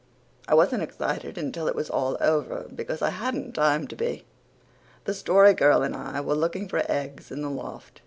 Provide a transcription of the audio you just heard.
I wasn't excited until it was all over because I hadn't time to be. The Story Girl and I were looking for eggs in the loft.